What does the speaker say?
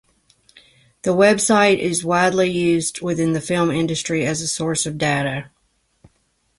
The website is widely used within the film industry as a source of data.